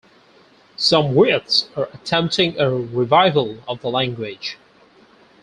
Some Wiyots are attempting a revival of the language.